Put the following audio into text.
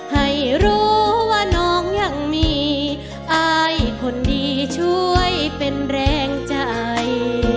ให้รู้ว่าน้องยังมีอายคนดีช่วยเป็นแรงใจ